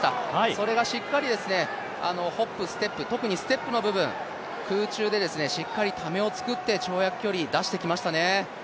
それがしっかりホップ・ステップ、特にステップの部分、空中でしっかりためを作って跳躍距離を出してきましたね。